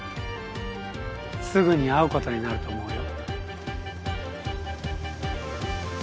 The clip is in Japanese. すぐに会うことになると思うよ。